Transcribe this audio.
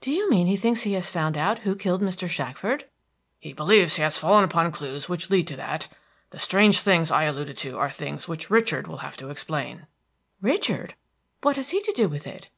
"Do you mean he thinks he has found out who killed Mr. Shackford?" "He believes he has fallen upon clews which will lead to that. The strange things I alluded to are things which Richard will have to explain." "Richard? What has he to do with it?"